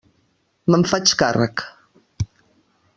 Me'n faig càrrec.